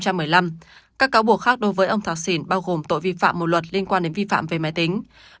các cáo buộc khác đối với ông thào sìn bao gồm tội vi phạm một luật liên quan đến vi phạm về máy tính